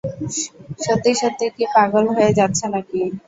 সত্যি সত্যি কি পাগল হয়ে যাচ্ছে নাকি?